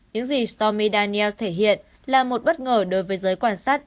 những gì stormy daniels thể hiện là một bất ngờ đối với giới quan sát